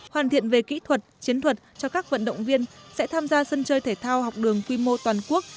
hoàn thiện về kỹ thuật chiến thuật cho các vận động viên sẽ tham gia sân chơi thể thao học đường quy mô toàn quốc